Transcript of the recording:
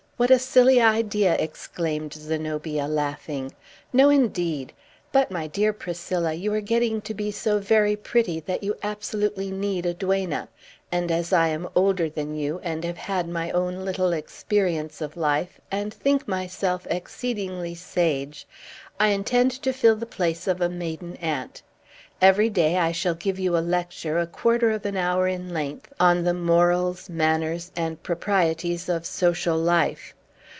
What a silly idea!" exclaimed Zenobia, laughing. "No, indeed! But, my dear Priscilla, you are getting to be so very pretty that you absolutely need a duenna; and, as I am older than you, and have had my own little experience of life, and think myself exceedingly sage, I intend to fill the place of a maiden aunt. Every day, I shall give you a lecture, a quarter of an hour in length, on the morals, manners, and proprieties of social life.